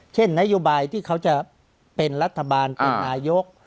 เช่นนโยบายที่เขาจะเป็นรัฐบาลเป็นนายก